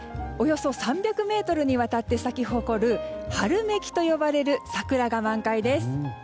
およそ３００ｍにわたって咲き誇る春めきと呼ばれる桜が満開です。